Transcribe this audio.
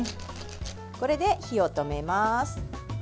これで火を止めます。